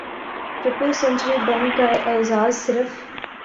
triple century بن کا اعزاز صرف